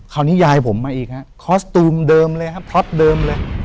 ยายผมมาอีกฮะคอสตูมเดิมเลยครับพล็อปเดิมเลย